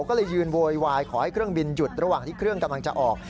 ก็เลยยืนโวยวายขอให้เครื่องบินหยุดระหว่างที่เครื่องกำลังจะออก